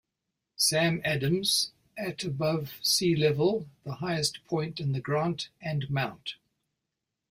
Sam Adams—at above sea level, the highest point in the grant—and Mt.